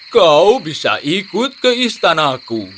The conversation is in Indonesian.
kau bisa ikut ke istanaku